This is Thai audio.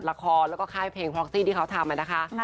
แล้วก็ค่ายเพลงแพรงทร็อกซี่ที่เขาทำเลยนะคะ